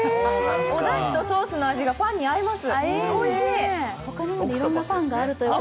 おだしとソースの味がパンに合います。